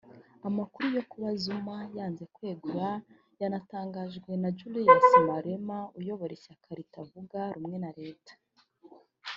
Amakuru yo kuba Zuma yanze kwegura yanatangajwe na Julius Malema uyobora ishyaka ritavuga rumwe na leta